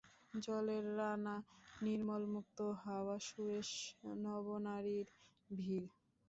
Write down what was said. জলের রানা, নির্মল মুক্ত হাওয়া, সুরেশ নবনারীর ভিড়।